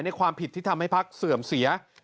ความผิดที่ทำให้พักเสื่อมเสีย